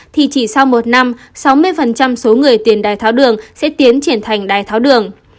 thì chỉ sau một năm sáu mươi số người tiền đai tháo đường sẽ tiến triển thành đai tháo đường